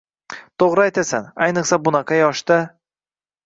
Toʻgʻri aytasan, ayniqsa bunaqa yoshda.